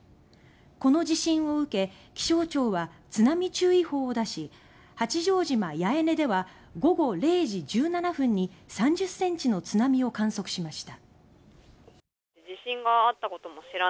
この地震を受け気象庁は津波注意報を出し八丈島・八重根では午後０時１７分に３０ｃｍの津波を観測しました。